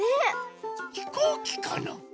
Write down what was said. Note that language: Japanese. ひこうきかな？